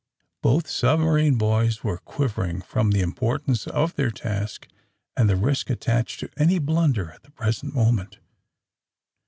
Both submarine boys were quivering from the importance of their task and the risk attached to any blunder at the present moment.